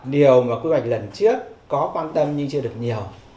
điều mà quy hoạch lần trước có quan tâm nhưng chưa được nhiều